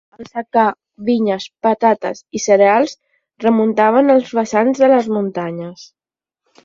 Al secà, vinyes, patates i cereals remuntaven els vessants de les muntanyes.